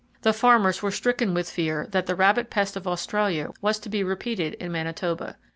The farmers were stricken with fear that the rabbit pest of Australia was to be repeated in Manitoba.